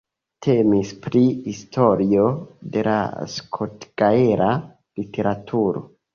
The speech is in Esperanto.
Temis pri historio de la skotgaela literaturo.